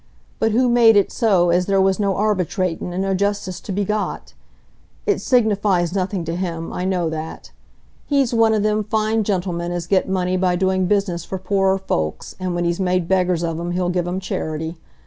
But who made it so as there was no arbitratin', and no justice to be got? It signifies nothing to him, I know that; he's one o' them fine gentlemen as get money by doing business for poorer folks, and when he's made beggars of 'em he'll give 'em charity.